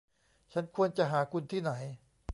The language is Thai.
ฉันควรจะหาคุณที่ไหน